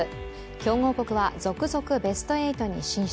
強豪国は続々ベスト８に進出。